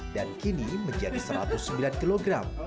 dan kini menjadi satu ratus sembilan kg